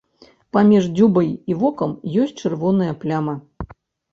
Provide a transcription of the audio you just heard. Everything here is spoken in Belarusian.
Паміж дзюбай і вокам ёсць чырвоная пляма.